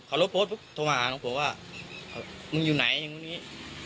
เขารถโพสต์พึ่งโทรมาหาน้องผมว่ามึงอยู่ไหนอย่างงี้